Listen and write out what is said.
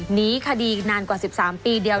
หนีคดีนานกว่า๑๓ปีเดียว